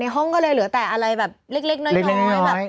ห้องก็เลยเหลือแต่อะไรแบบเล็กน้อยแบบ